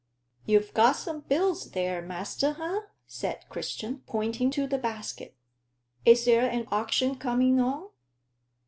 "You've got some bills there, master, eh?" said Christian, pointing to the basket. "Is there an auction coming on?"